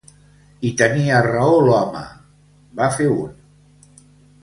-I tenia raó, l'home!- va fer un.